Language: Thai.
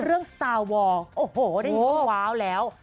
เรื่องสตาร์วอร์โอ้โหได้ยุ่งว้าวแล้ว